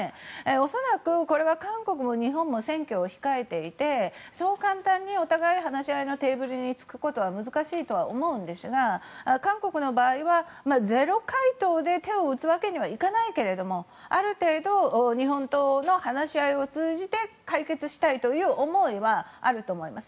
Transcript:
恐らくこれは韓国も日本も選挙を控えていてそう簡単に、お互い話し合いのテーブルに着くことは難しいとは思うんですが韓国の場合はゼロ回答で手を打つわけにはいかないけどもある程度、日本との話し合いを通じて解決したいという思いはあると思います。